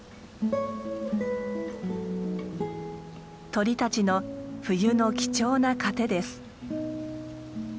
鳥たちの冬の貴重な糧です。